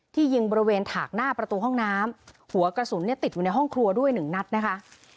ยิงบริเวณถากหน้าประตูห้องน้ำหัวกระสุนเนี่ยติดอยู่ในห้องครัวด้วยหนึ่งนัดนะคะ